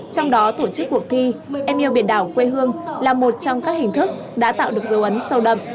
trong đó tổ chức cuộc thi em yêu biển đảo quê hương là một trong các hình thức đã tạo được dấu ấn sâu đậm